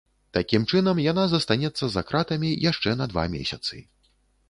Такім чынам, яна застанецца за кратамі яшчэ на два месяцы.